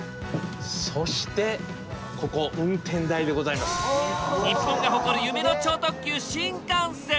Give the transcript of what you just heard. そしてここ日本が誇る夢の超特急新幹線。